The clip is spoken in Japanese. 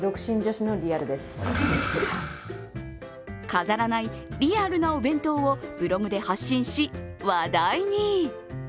飾らないリアルなお弁当をブログで発信し話題に。